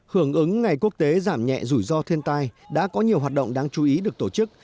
hưởng ứng ngày quốc tế giảm nhẹ rủi ro thiên tai đã có nhiều hoạt động đáng chú ý được tổ chức